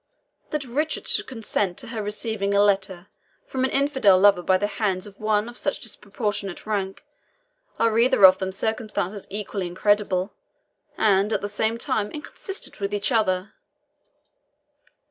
That Richard should consent to her receiving a letter from an infidel lover by the hands of one of such disproportioned rank are either of them circumstances equally incredible, and, at the same time, inconsistent with each other.